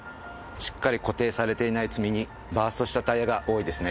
しっかり固定されていない積み荷バーストしたタイヤが多いですね。